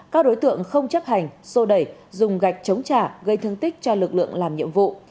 các đối tượng không chấp hành sô đẩy dùng gạch chống trả gây thương tích cho lực lượng làm nhiệm vụ